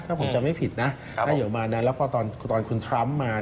ถ้าผมจำไม่ผิดนะให้อยู่ประมาณนั้นแล้วพอตอนคุณทรัมป์มา